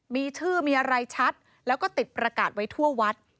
มีชื่อมีอะไรชัดแล้วก็ติดประกาศไว้ทั่ววัด